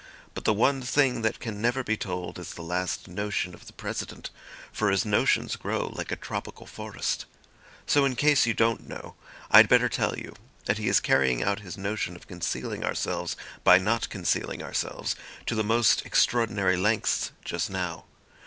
But the one thing that can never be told is the last notion of the President, for his notions grow like a tropical forest. So in case you don't know, I'd better tell you that he is carrying out his notion of concealing ourselves by not concealing ourselves to the most extraordinary lengths just now.